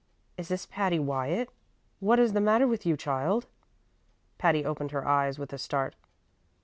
"Is this Patty Wyatt? What is the matter with you, child?" Patty opened her eyes with a start.